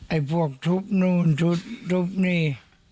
ไอ้พวกทุบนู่นทุบทุบนี่